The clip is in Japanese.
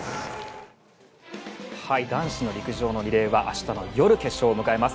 男子の陸上のリレーは明日の夜、決勝を迎えます。